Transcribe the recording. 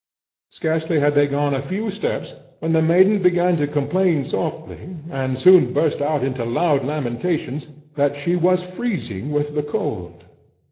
Scarcely had they gone a few steps, when the maiden began to complain softly, and soon burst out into loud lamentations, that she was freezing with the cold.